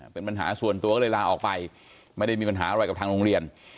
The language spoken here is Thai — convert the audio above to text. เป็นปัญหาส่วนตัวก็เลยลาออกไปไม่ได้มีปัญหาอะไรกับทางโรงเรียน